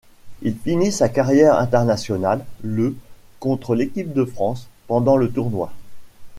Il finit sa carrière internationale le contre l'équipe de France, pendant le tournoi.